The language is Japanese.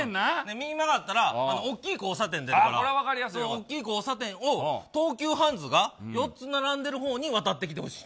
大きい交差点に出るから大きい交差点を東急ハンズが４つ並んでる方に渡ってほしい。